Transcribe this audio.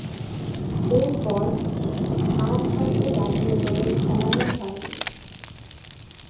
এরপর, আর তাকে জাতীয় দলে খেলানো হয়নি।